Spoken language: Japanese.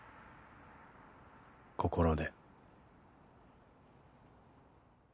心で。